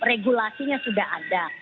regulasinya sudah ada